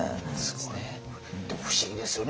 でも不思議ですよね。